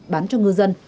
bán cho ngư dân